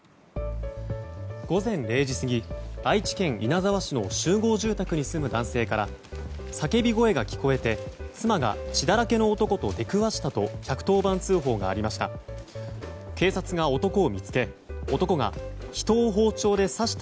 午前０時過ぎ愛知県稲沢市の集合住宅に住む男性から叫び声が聞こえて妻が血だらけの男と出くわしたと１１０番通報がありました。